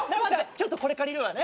ちょっとこれ借りるわね。